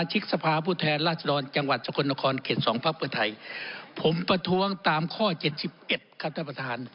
ถ้านลุงนิยมมีอะไรครับ